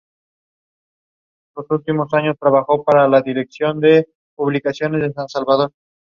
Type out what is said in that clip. Adicionalmente, durante este período se observan los progresos artísticos más importantes.